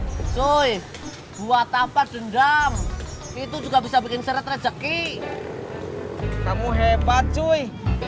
mak soe buat apa dendam itu juga bisa bikin seret rezeki kamu hebat cuy